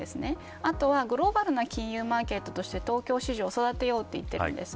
あとは、グローバルな金融マーケットとして東京市場を育てようと言っているんです。